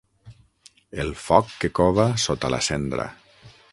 El foc que cova sota la cendra.